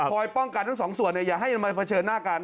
ป้องกันทั้งสองส่วนอย่าให้ทำไมเผชิญหน้ากัน